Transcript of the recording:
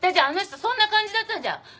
あの人そんな感じだったじゃん。